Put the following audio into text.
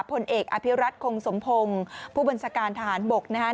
พลเอกอภิรัตคงสมพงศ์ผู้บัญชาการทหารบกนะครับ